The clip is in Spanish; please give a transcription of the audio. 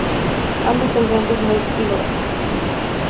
Ambos son plantas muy vigorosas.